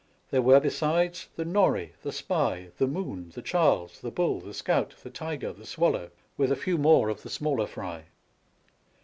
There were hesides the Norify the Spy, the Moon, the Charles, the BitZZ, the ^Scowf, the Tyger, the Swallow, with a few more of the smaller fry.